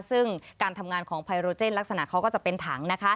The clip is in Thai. ซึ่งการทำงานของไพโรเจนลักษณะเขาก็จะเป็นถัง